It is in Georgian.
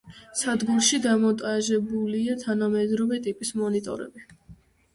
სადგურში დამონტაჟებულია თანამედროვე ტიპის მონიტორები.